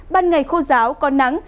ban ngày khô giáo con nắng